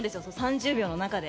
３０秒の中で？